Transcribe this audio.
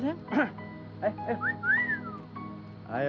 gak enak nanti ganggu